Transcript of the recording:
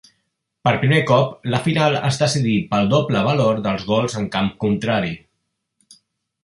Per primer cop la final es decidí pel doble valor dels gols en camp contrari.